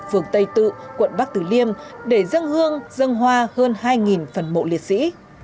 phường tây tự quận bắc tử liêm để dâng hương dâng hoa hơn hai phần mộ liệt sĩ